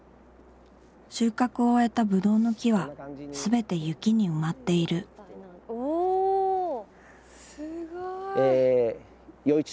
収穫を終えたブドウの木はすべて雪に埋まっているおお。